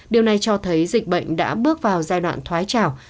điều này cho thấy dịch bệnh đã bước vào giai đoạn thoái trào